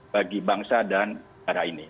bagi bangsa dan negara ini